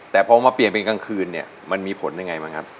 แต่พอมาเปลี่ยนเป็นกลางคืนมันมีผลยังไงคะ